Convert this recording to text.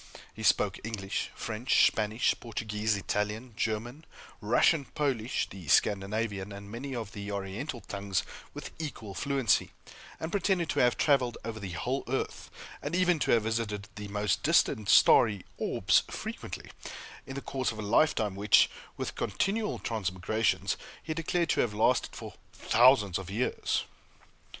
He spoke English, French, Spanish, Portuguese, Italian, German, Russian, Polish, the Scandinavian, and many of the Oriental tongues, with equal fluency; and pretended to have traveled over the whole earth, and even to have visited the most distant starry orbs frequently, in the course of a lifetime which, with continual transmigrations, he declared to have lasted for thousands of years.